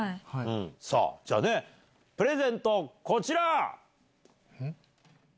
さあ、じゃあね、プレゼント、こちら。